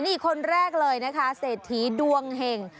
นี่คนแรกเลยนะคะเศรษฐีดวงเห็ง